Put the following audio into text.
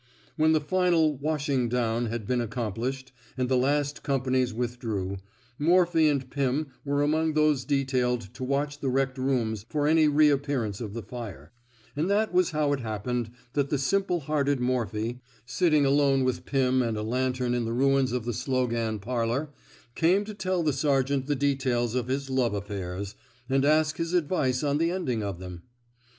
When the final washing down had been ac complished, and the last companies with drew, Morphy and Pirn were among those detailed to watch the wrecked rooms for any reappearance of the fire; and that was how it happened that the simple hearted Morphy, sitting alone with Pim and a lantern in the ruins of the Slogan parlor, came to tell the sergeant the details of his love affairs, and ask his advice on the ending of them.